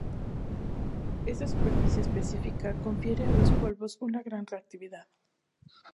Esa superficie específica confiere a los polvos una gran reactividad.